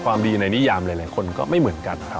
ความดีในนิยามของหลายคนก็ไม่เหมือนกันค่ะ